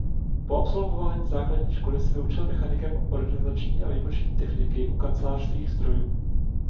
Po absolvování základní školy se vyučil mechanikem organizační a výpočetní techniky u Kancelářských strojů.